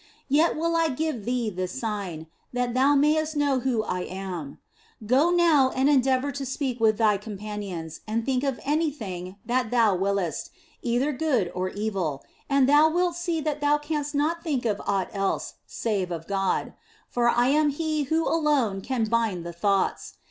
Yet will I give thee this sign, that thou mayest know who I am : go now and endeavour to speak with thy com panions and think of any thing that thou willst, either good or evil, and thou w r ilt see that thou canst not think of aught else save of God. For I am He who alone can bind the thoughts.